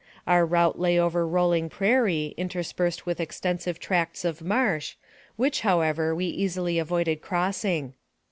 Our route lay over rolling prairie, interspersed with extensive tracts of marsh, which, however, we easily avoided crossing.